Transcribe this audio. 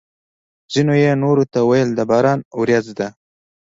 ځینو یې نورو ته ویل: د باران ورېځ ده!